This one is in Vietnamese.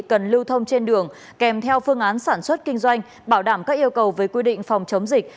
cần lưu thông trên đường kèm theo phương án sản xuất kinh doanh bảo đảm các yêu cầu về quy định phòng chống dịch